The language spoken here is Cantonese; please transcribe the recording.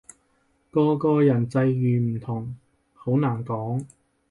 個個人際遇唔同，好難講